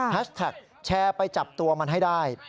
แท็กแชร์ไปจับตัวมันให้ได้